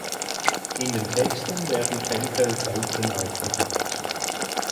In den Texten werden Tempel selten aufgeführt.